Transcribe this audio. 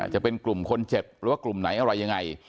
จะเป็นกลุ่มคนเจ็บหรือว่ากลุ่มไหนอะไรยังไง